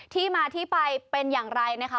ที่มาที่ไปเป็นอย่างไรนะคะ